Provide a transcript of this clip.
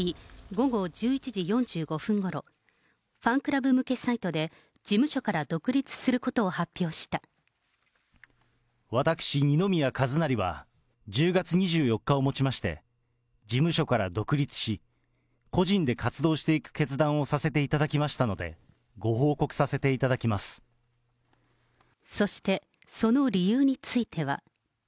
午後１１時４５分ごろ、ファンクラブ向けサイトで、事務私、二宮和也は、１０月２４日をもちまして、事務所から独立し、個人で活動していく決断をさせていただきましたので、そして、その理由については。